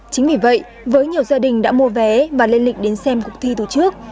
chính vì vậy với nhiều gia đình đã mua vé và lên lịch đến xem cuộc thi tổ chức